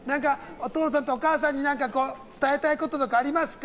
お父さんとお母さんに何か伝えたいこととかありますか？